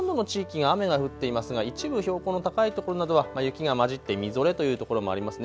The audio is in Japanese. ほとんどの地域、雨が降っていますが一部標高の高い所などは雪がまじってみぞれというところもありますね。